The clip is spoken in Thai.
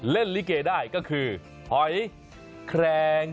เล่นลิเกได้ก็คือหอยแครง